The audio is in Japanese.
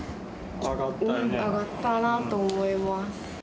上がったなと思います。